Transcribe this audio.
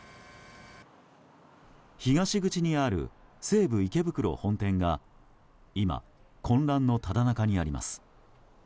東口にある西武池袋本店が今、混乱のただなかにあります。